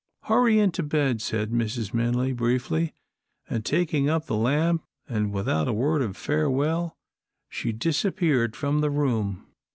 "Hurry into bed," said Mrs. Minley, briefly, and taking up the lamp, and without a word of farewell, she disappeared from the room.